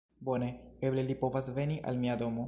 Bone! Eble li povas veni al mia domo!